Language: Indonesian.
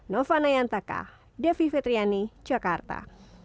nova nayantaka devi vetriani jakarta